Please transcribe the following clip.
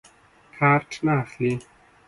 کارټ نه اخلي.